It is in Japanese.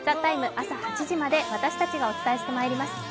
朝８時まで私たちがお伝えしてまいります。